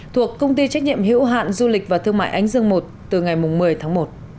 thuộc công ty trách nhiệm hữu hạn du lịch và thương mại ánh dương i từ ngày một mươi tháng một